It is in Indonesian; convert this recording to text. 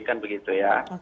kan begitu ya